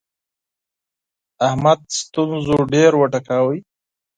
احمد ستونزو ډېر وټکاوو.